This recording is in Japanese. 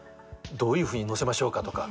どういうふうにのせましょうかとか。